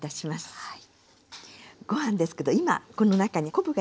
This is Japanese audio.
はい。